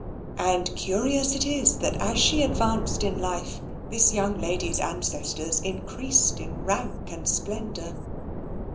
And curious it is that as she advanced in life this young lady's ancestors increased in rank and splendour.